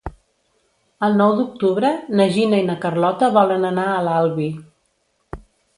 El nou d'octubre na Gina i na Carlota volen anar a l'Albi.